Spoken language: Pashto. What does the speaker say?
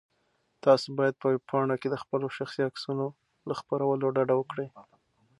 تاسو باید په ویبپاڼو کې د خپلو شخصي عکسونو له خپرولو ډډه وکړئ.